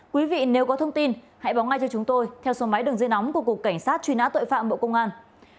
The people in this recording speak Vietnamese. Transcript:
quý vị nếu có thông tin hãy báo ngay cho chúng tôi theo số máy đường dây nóng của cục cảnh sát truy nã tội phạm bộ công an